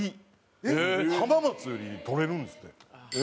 浜松よりとれるんですって。